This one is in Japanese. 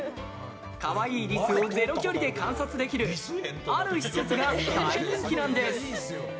可愛いリスをゼロ距離で観察できるある施設が大人気なんです。